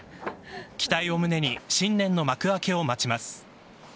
期待を胸に新年の幕開けを待ちます。